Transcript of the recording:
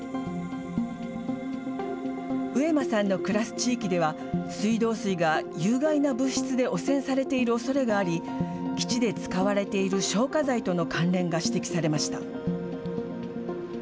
上間さんの暮らす地域では、水道水が有害な物質で汚染されているおそれがあり、基地で使われている消火剤との関連が指摘されました。